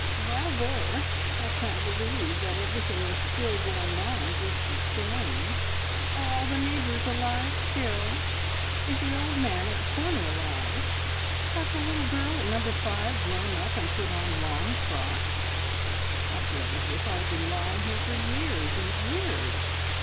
"Rather! I can't believe that everything is going on just the same. Are all the neighbours alive still? Is the old man at the corner alive? Has the little girl at Number Five grown up and put on long frocks? I feel as if I had been lying here for years and years.